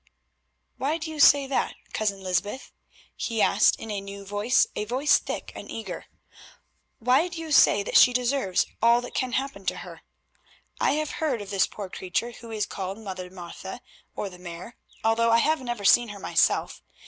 "Why do you say that, Cousin Lysbeth?" he asked in a new voice, a voice thick and eager. "Why do you say that she deserves all that can happen to her? I have heard of this poor creature who is called Mother Martha, or the Mare, although I have never seen her myself.